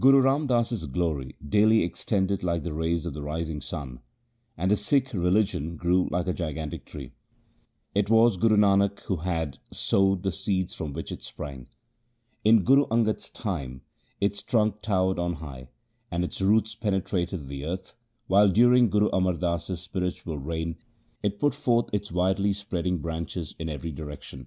Guru Ram Das's glory daily extended like the rays of the rising sun, and the Sikh religion grew like a gigantic tree. It was Guru Nanak who had LIFE OF GURU AMAR DAS 151 sowed the seed from which it sprang. In Guru Angad's time its trunk towered on high, and its roots penetrated the earth, while during Guru Amar Das's spiritual reign it put forth its widely spreading branches in every direction.